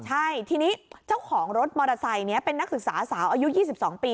ใช่ทีนี้เจ้าของรถมอเตอร์ไซค์นี้เป็นนักศึกษาสาวอายุ๒๒ปี